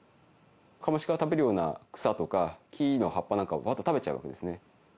カモシカが食べるような草とか木の葉っぱなんかをばーっと食べちゃうわけですね。